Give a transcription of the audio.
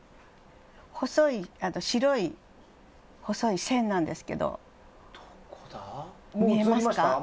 細い白い線なんですけど見えますか？